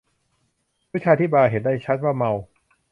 ผู้ชายที่บาร์เห็นได้ชัดว่าเมา